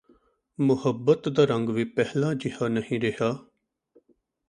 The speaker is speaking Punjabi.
ਮੁਹੱਬਤ ਦਾ ਰੰਗ ਵੀ ਪਹਿਲਾਂ ਜਿਹਾ ਨਹੀਂ ਰਿਹਾ